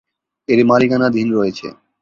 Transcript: এর মালিকানাধীন রয়েছে।